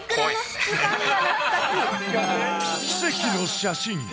奇跡の写真。